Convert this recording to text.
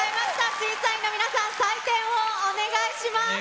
審査員の皆さん、採点をお願いします。